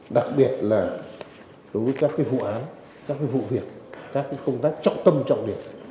đặc biệt là đối với các vụ án các vụ việc các công tác trọng tâm trọng điểm